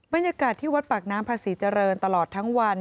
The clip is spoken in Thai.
บรรยากาศที่วัดปากน้ำภาษีเจริญตลอดทั้งวัน